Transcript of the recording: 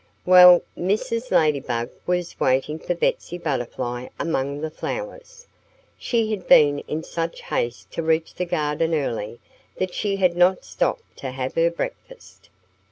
Well, Mrs. Ladybug was waiting for Betsy Butterfly among the flowers. She had been in such haste to reach the garden early that she had not stopped to have her breakfast.